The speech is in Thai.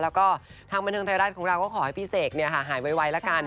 แล้วก็ทางบันเทิงไทยรัฐของเราก็ขอให้พี่เสกหายไวละกัน